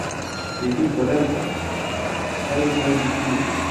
Elbek: doda vay fay yukmi?